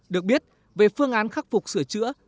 được biết về phương án khắc phục sửa chữa